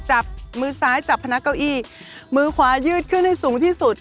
จับมือซ้ายจับพนักเก้าอี้มือขวายืดขึ้นให้สูงที่สุด